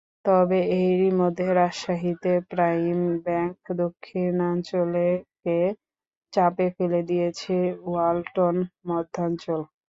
তবে এরই মধ্যে রাজশাহীতে প্রাইম ব্যাংক দক্ষিণাঞ্চলকে চাপে ফেলে দিয়েছে ওয়ালটন মধ্যাঞ্চল।